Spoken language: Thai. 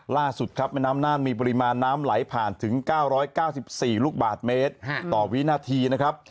ล่าสุดครับแม่น้ำน่านมีปริมาณน้ำไหลผ่านถึง๙๙๔ลูกบาทเมตรต่อวินาทีนะครับ